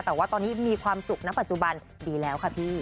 แต่ว่าตอนนี้มีความสุขณปัจจุบันดีแล้วค่ะพี่